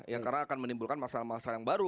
yang karena akan menimbulkan masalah masalah yang baru